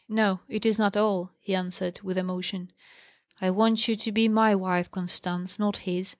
"No, it is not all," he answered, with emotion. "I want you to be my wife, Constance, not his.